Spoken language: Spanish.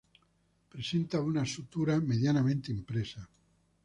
Presenta una sutura medianamente impresa.